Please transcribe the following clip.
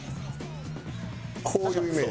こういうイメージ。